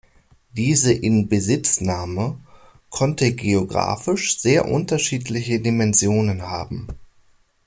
Diese Inbesitznahme konnte geografisch sehr unterschiedliche Dimensionen haben.